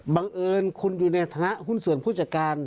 บังเอิญคุณอยู่ในฐานะหุ้นส่วนผู้จัดการ